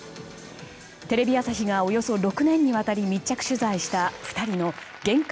テレビ朝日がおよそ６年にわたり密着取材した２人の限界